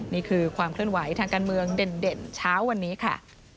นี่คือความเคลื่อนไหวทางการเมืองเด่นเช้าวันนี้ค่ะ